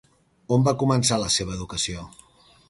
On va començar la seva educació?